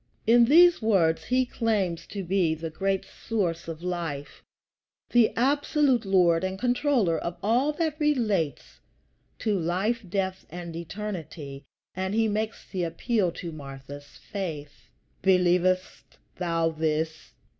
In these words he claims to be the great source of Life, the absolute Lord and Controller of all that relates to life, death, and eternity; and he makes the appeal to Martha's faith: "Believest thou this?"